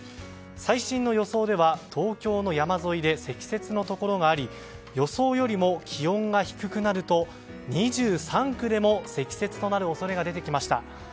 最新の予想では東京の山沿いで積雪のところがあり予想よりも気温が低くなると２３区でも積雪となる恐れが出てきました。